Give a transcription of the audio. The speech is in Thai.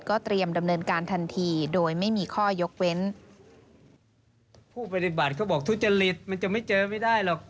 ก็เตรียมดำเนินของการทันที